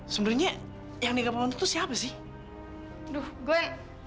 sebenarnya yang negara itu siapa sih duh gue